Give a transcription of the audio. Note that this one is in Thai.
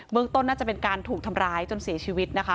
เบื้องต้นน่าจะเป็นการถูกทำร้ายจนเสียชีวิต